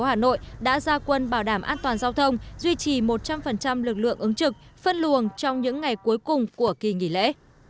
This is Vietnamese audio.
công an thành phố hà nội đã ra quân bảo đảm an toàn giao thông duy trì một trăm linh lực lượng ứng trực phân luồng trong những ngày cuối cùng của kỳ nghỉ lễ